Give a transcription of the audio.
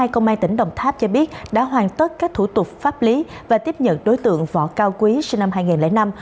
cho biết đã hoàn tất các thủ tục pháp lý và tiếp nhận đối tượng võ cao quý sinh năm hai nghìn năm